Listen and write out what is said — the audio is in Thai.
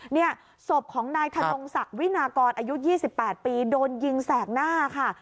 เนี่ยศพของนายธนงศักดิ์วินากรอายุ๒๘ปีโดนยิงแสกหน้าค่ะ